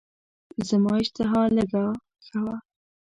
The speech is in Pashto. زما اشتها لږه ښه وه.